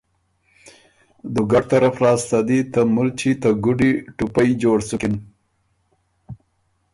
دُوګډ طرف لاسته دی ته مُلچی ته ګُډی ټُپئ جوړ سُکِن۔